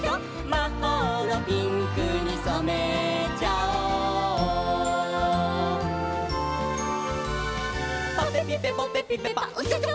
「まほうのピンクにそめちゃおう」「ぱぺぴぺぽぺぴぺぱうひょひょ」